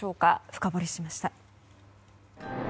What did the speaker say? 深掘りしました。